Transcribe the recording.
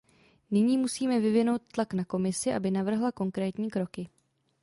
Nyní musíme vyvinout tlak na Komisi, aby navrhla konkrétní kroky.